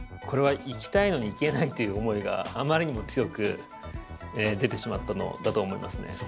これは「行きたいのに行けない」という思いがあまりにも強く出てしまったのだと思いますね。